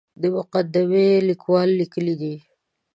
د مقدمې لیکوال لیکلي دي.